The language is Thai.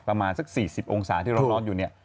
ประมาณสัก๔๐องศาที่ร้อนอยู่เนี่ย